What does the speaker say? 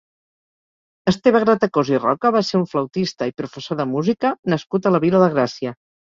Esteve Gratacòs i Roca va ser un flautista i professor de música nascut a la Vila de Gràcia.